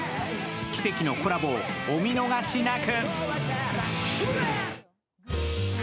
奇跡のコラボをお見逃しなく。